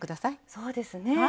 そうですね。